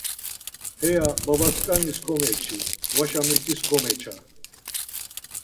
Heya babaskanis komeçi. Vaşa mitis komeça!